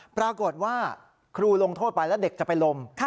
ปรากฏว่าครูลงโทษไปแล้วเด็กจะไปลม